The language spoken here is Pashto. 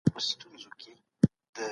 آیا اقتصاد زموږ د معیشت په اړه بحث کوي؟